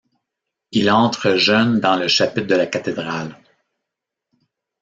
Il entre jeune dans le chapitre de la cathédrale.